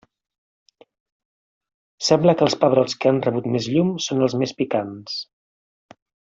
Sembla que els pebrots que han rebut més llum són els més picants.